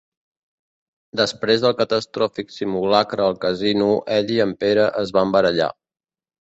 Després del catastròfic simulacre al casino ell i el Pere es van barallar.